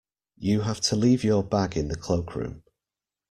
You have to leave your bag in the cloakroom